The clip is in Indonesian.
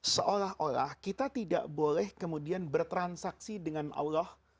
seolah olah kita tidak boleh kemudian bertransaksi dengan allah